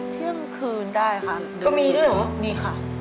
เที่ยงคืนได้ค่ะ